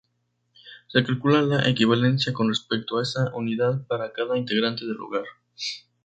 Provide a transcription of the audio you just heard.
Se calcula la equivalencia con respecto a esa unidad para cada integrante del hogar.